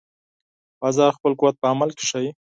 باز خپل قوت په عمل کې ښيي